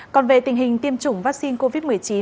còn về tình hình tiêm chủng vaccine covid một mươi chín